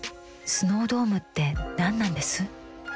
スノードームって何なんです？